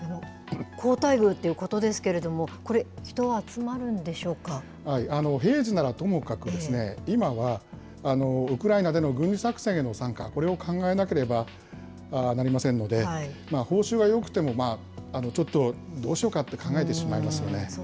厚待遇っていうことですけれども、これ、人は集まるんでしょ平時ならともかくですね、今はウクライナでの軍事作戦への参加、これを考えなければなりませんので、報酬がよくてもちょっとどうしようかって考えてしまいますよね。